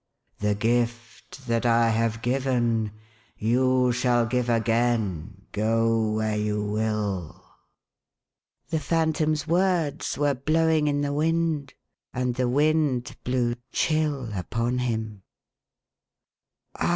"The gift that I have given, you shall give again, go where you will !" The Phantom's words were blowing in the wind, and the wind blew chill upon him.